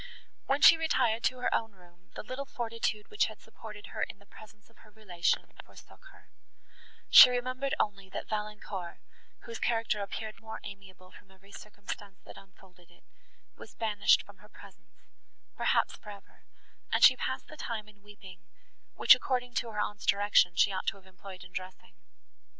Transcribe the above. When she retired to her own room, the little fortitude, which had supported her in the presence of her relation, forsook her; she remembered only that Valancourt, whose character appeared more amiable from every circumstance, that unfolded it, was banished from her presence, perhaps, for ever, and she passed the time in weeping, which, according to her aunt's direction, she ought to have employed in dressing.